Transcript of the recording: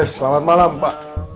selamat malam pak